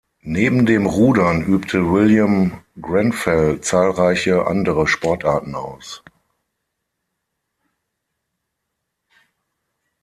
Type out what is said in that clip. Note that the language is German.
Neben dem Rudern übte William Grenfell zahlreiche andere Sportarten aus.